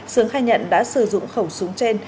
sướng khai nhận đã sử dụng khẩu súng trên